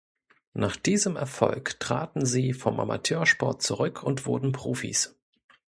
Nach diesem Erfolg traten sie vom Amateursport zurück und wurden Profis.